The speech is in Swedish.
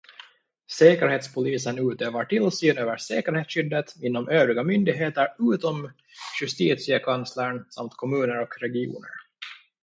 Säkerhetspolisen utövar tillsyn över säkerhetsskyddet inom övriga myndigheter utom Justitiekanslern samt kommuner och regioner.